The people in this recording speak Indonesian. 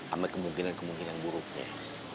amai kemungkinan kemungkinan buruknya